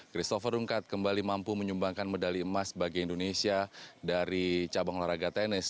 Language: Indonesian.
christopher rungkat kembali mampu menyumbangkan medali emas bagi indonesia dari cabang olahraga tenis